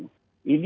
sudah di airnya